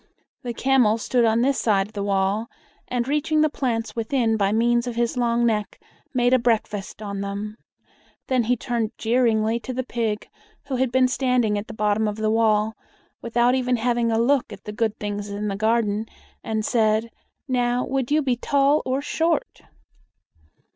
The camel stood on this side the wall, and, reaching the plants within by means of his long neck, made a breakfast on them. Then he turned jeeringly to the pig, who had been standing at the bottom of the wall, without even having a look at the good things in the garden, and said, "Now, would you be tall or short?"